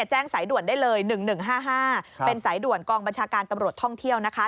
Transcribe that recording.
แจ้งสายด่วนได้เลย๑๑๕๕เป็นสายด่วนกองบัญชาการตำรวจท่องเที่ยวนะคะ